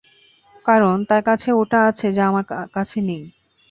কারন, তার কাছে ওটা আছে যা আমার কাছে নেই।